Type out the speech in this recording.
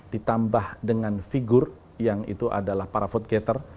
ditambah dengan figur yang itu adalah para vote gathere